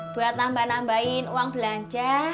buat nambah nambahin uang belanja